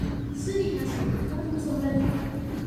The city has an important cement factory.